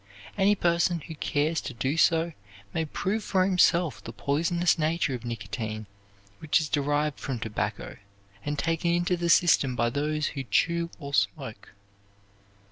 Any person who cares to do so may prove for himself the poisonous nature of nicotine which is derived from tobacco and taken into the system by those who chew or smoke.